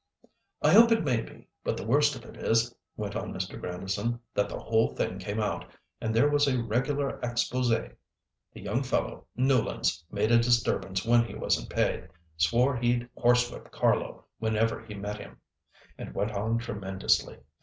"I hope it may be, but the worst of it is," went on Mr. Grandison, "that the whole thing came out, and there was a regular exposé. The young fellow, Newlands, made a disturbance when he wasn't paid, swore he'd horsewhip Carlo whenever he met him, and went on tremendously.